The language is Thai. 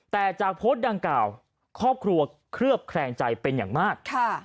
แต่จากโพสต์ดังกล่าวครอบครัวเคลือบแคลงใจเป็นอย่างมาก